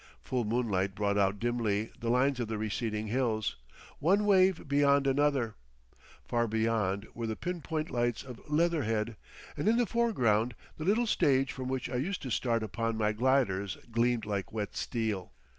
Full moonlight brought out dimly the lines of the receding hills, one wave beyond another; far beyond were the pin point lights of Leatherhead, and in the foreground the little stage from which I used to start upon my gliders gleamed like wet steel.